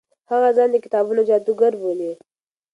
هغه ځان د کتابونو جادوګر بولي.